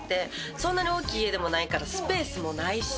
そんなに大きい家でもないからスペースもないし。